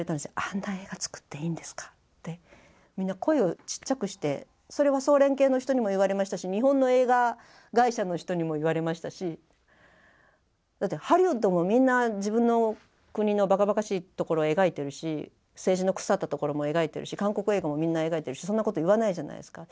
「あんな映画作っていいんですか」ってみんな声をちっちゃくしてそれは総連系の人にも言われましたし日本の映画会社の人にも言われましたしだってハリウッドもみんな自分の国のバカバカしいところを描いてるし政治の腐ったところも描いてるし韓国映画もみんな描いてるしそんなこと言わないじゃないですか。